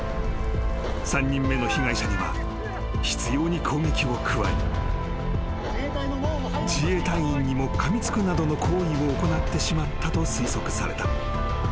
［３人目の被害者には執拗に攻撃を加え自衛隊員にもかみつくなどの行為を行ってしまったと推測された］